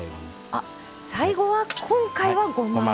あっ最後は今回はごま油。